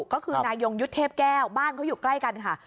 ก็คือนายยงยุทธ์เทพแก้วบ้านเขาอยู่ใกล้กันค่ะ